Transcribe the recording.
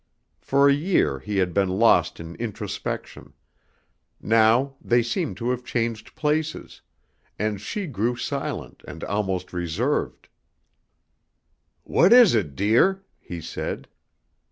For a year he had been lost in introspection; now they seemed to have changed places, and she grew silent and almost reserved. "What is it, dear?" he said.